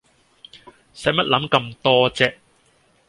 洗乜諗咁多啫